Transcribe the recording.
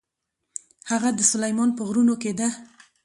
هغه د سلیمان په غرونو کې ده.